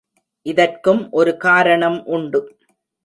இதற்கும் ஒரு காரணம் உண்டு.